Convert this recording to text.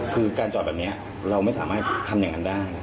คือการจอดแบบนี้เราไม่สามารถทำอย่างนั้นได้